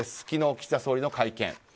昨日岸田総理の会見。